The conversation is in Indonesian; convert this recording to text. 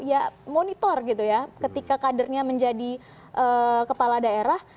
ya monitor gitu ya ketika kadernya menjadi kepala daerah